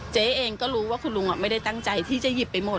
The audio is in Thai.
เจ๊เองก็รู้ว่าคุณลุงไม่ได้ตั้งใจที่จะหยิบไปหมด